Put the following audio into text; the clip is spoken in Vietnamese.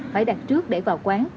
phải đặt trước để vào quán